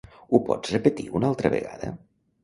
Ho pots repetir una altra vegada?